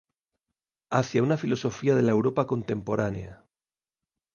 Hacia una filosofía de la Europa contemporánea".